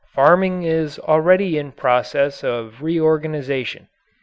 Farming is already in process of reorganization.